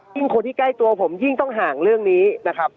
คนที่ใกล้ตัวผมยิ่งต้องห่างเรื่องนี้นะครับ